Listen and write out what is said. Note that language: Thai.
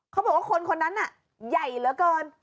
เขาบอกว่าคนคนนั้นน่ะใหญ่เหลือเกิน